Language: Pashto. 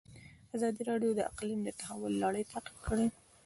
ازادي راډیو د اقلیم د تحول لړۍ تعقیب کړې.